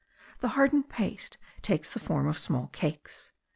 The hardened paste takes the form of small cakes.